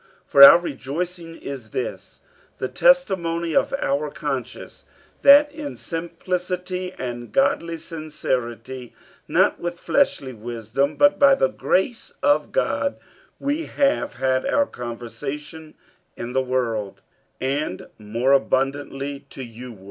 47:001:012 For our rejoicing is this, the testimony of our conscience, that in simplicity and godly sincerity, not with fleshly wisdom, but by the grace of God, we have had our conversation in the world, and more abundantly to you ward.